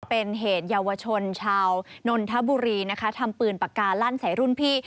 เป็นเหตุเยาวชนชาวนนทบุรีนะคะทำปืนปากกาลั่นใส่รุ่นพี่